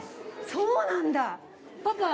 そうなんだ！